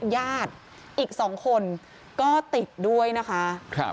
ญาติอีก๒คนก็ติดด้วยนะคะ